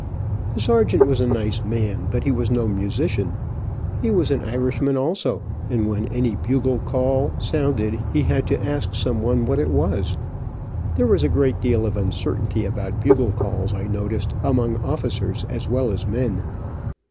The sergeant was a nice man, but he was no musician. He was an Irishman, also, and when any bugle call and when any bugle call sounded he had to ask some one what it was. There was a great deal of uncertainty about bugle calls, I noticed, among officers as well as men.